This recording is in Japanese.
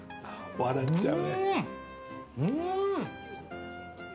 笑っちゃう。